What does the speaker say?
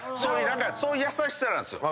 そういう優しさなんですよ。